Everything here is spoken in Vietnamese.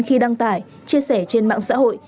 khi đăng tải chia sẻ trên mạng xã hội